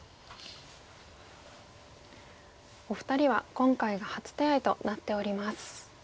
お二人は今回が初手合となっております。